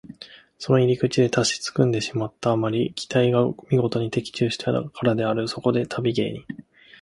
その入り口で立ちすくんでしまった。あまりに期待がみごとに的中したからである。そこで旅芸人